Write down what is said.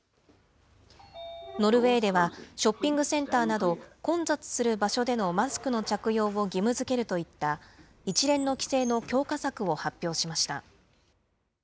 ノルウェーでは、ショッピングセンターなど、混雑する場所でのマスクの着用を義務づけるといった、一連の規制の強化策を発表しました。